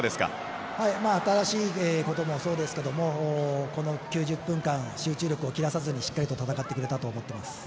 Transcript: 新しいこともそうですがこの９０分間集中力を切らさずにしっかり戦ってくれたと思っています。